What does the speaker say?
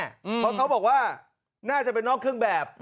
เพราะเขาบอกว่าน่าจะเป็นนอกเครื่องแบบ